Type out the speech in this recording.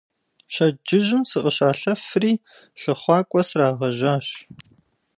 Пщэдджыжьым сыкъыщалъэфри лъыхъуакӀуэ срагъэжьащ.